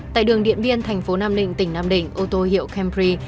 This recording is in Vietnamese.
tại đường điện viên thành phố nam định tỉnh nam định ô tô hiệu campri